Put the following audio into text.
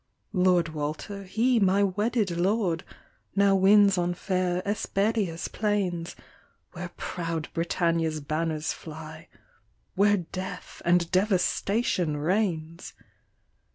" Lord Walter, he my wedded Lord, Now wins on fair Hesperia's plains, Where proud Britannia's banners fly, Where death and devastation reigns